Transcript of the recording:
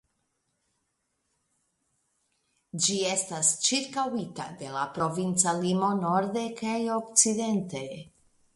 Ĝi estas ĉirkaŭita de la provinca limo norde kaj okcidente.